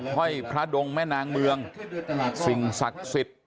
ห้อยพระดงแม่นางเมืองสิ่งศักดิ์สิทธิ์